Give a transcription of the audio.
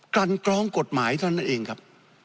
กันกรองกฎหมายเท่านั้นเองครับ